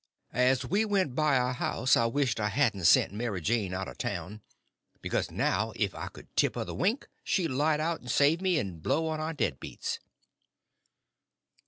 As we went by our house I wished I hadn't sent Mary Jane out of town; because now if I could tip her the wink she'd light out and save me, and blow on our dead beats.